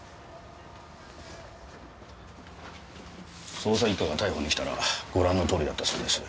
捜査一課が逮捕に来たらご覧のとおりだったそうです。